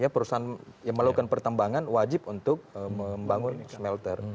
perusahaan yang melakukan pertambangan wajib untuk membangun smelter